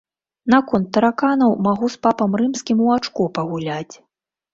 Наконт тараканаў магу з папам рымскім у ачко пагуляць.